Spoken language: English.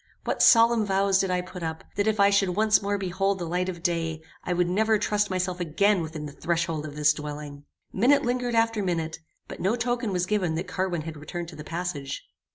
What solemn vows did I put up, that if I should once more behold the light of day, I would never trust myself again within the threshold of this dwelling! Minute lingered after minute, but no token was given that Carwin had returned to the passage.